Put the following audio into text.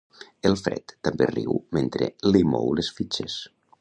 El Fred també riu mentre li mou les fitxes.